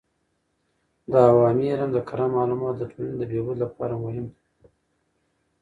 د عوامي علم د کره معلوماتو د ټولنې د بهبود لپاره مهم دی.